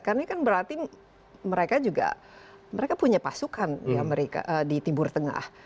karena kan berarti mereka juga punya pasukan di tibur tengah